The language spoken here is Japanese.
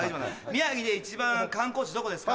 宮城で１番観光地どこですか？